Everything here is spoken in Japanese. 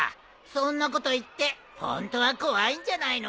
そんなこと言ってホントは怖いんじゃないのか？